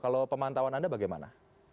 kalau pemantauan anda bagaimana